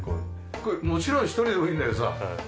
これもちろん１人でもいいんだけどさ